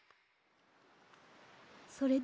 それで？